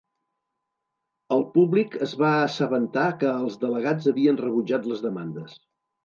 El públic es va assabentar que els delegats havien rebutjat les demandes.